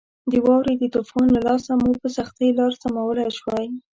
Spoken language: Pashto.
د واورې د طوفان له لاسه مو په سختۍ لار سمولای شوای.